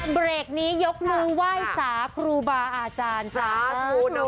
เวลาเบรกนี้ยกมืออาจารย์ดูว่ายสาขุรูบา